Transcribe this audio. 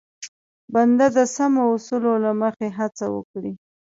بنده د سمو اصولو له مخې هڅه وکړي.